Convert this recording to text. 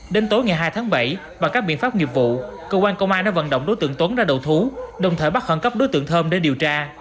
đến tối ngày hai tháng bảy bằng các biện pháp nghiệp vụ cơ quan công an đã vận động đối tượng tuấn ra đầu thú đồng thời bắt khẩn cấp đối tượng thơm để điều tra